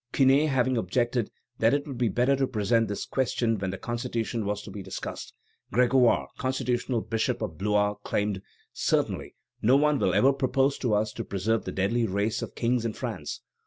Quinet having objected that it would be better to present this question when the Constitution was to be discussed, Grégoire, constitutional Bishop of Blois, exclaimed: "Certainly, no one will ever propose to us to preserve the deadly race of kings in France.